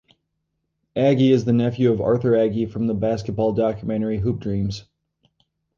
Agee is the nephew of Arthur Agee from the basketball documentary "Hoop Dreams".